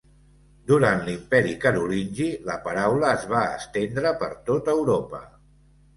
Durant l'Imperi Carolingi, la paraula es va estendre per tot Europa.